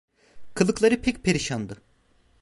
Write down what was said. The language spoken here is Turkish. Kılıkları pek perişandı.